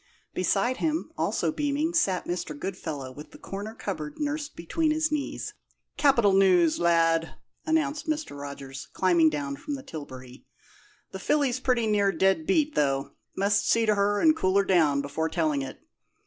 Beside him, also beaming, sat Mr. Goodfellow, with the corner cupboard nursed between his knees. "Capital news, lad!" announced Mr. Rogers, climbing down from the tilbury. "The filly's pretty near dead beat, though must see to her and cool her down before telling it.